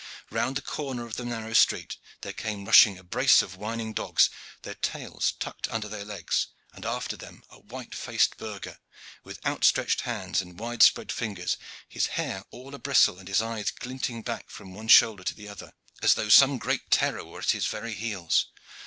Round the corner of the narrow street there came rushing a brace of whining dogs with tails tucked under their legs, and after them a white faced burgher, with outstretched hands and wide spread fingers, his hair all abristle and his eyes glinting back from one shoulder to the other, as though some great terror were at his very heels.